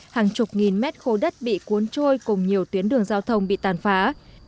hàng chục nghìn mét khô đất bị cuốn trôi cùng nhiều tuyến đường giao thông bị tàn phá